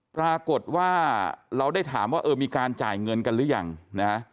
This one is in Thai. ปรากฏว่าเราได้ถามว่าเออมีการจ่ายเงินกันหรือยังนะ